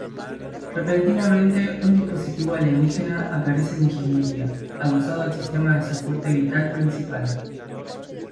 Repentinamente un dispositivo alienígena aparece en ingeniería, adosado al sistema de soporte vital principal.